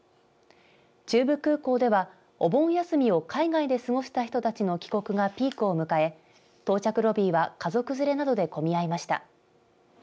中部空港ではお盆休みを海外で過ごした人たちの帰国がピークを迎え到着ロビーは家族連れなどで混み合いました。